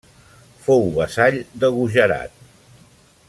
Fou vassall de Gujarat.